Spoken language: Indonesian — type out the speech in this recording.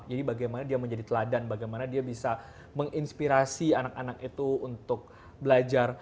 jadi bagaimana dia menjadi teladan bagaimana dia bisa menginspirasi anak anak itu untuk belajar